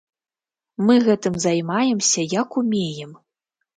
Мы гэтым займаемся, як умеем.